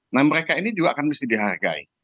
nah mereka ini juga akan mesti dihargai